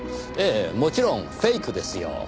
ええもちろんフェイクですよ。